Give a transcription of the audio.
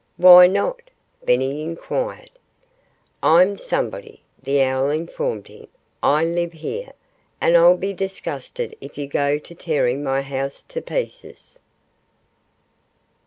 "Why not?" Benny inquired. "I'm somebody," the owl informed him. "I live here; and I'll be disgusted if you go to tearing my house to pieces."